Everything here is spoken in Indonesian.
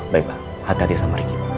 baik pak hati hati sama riki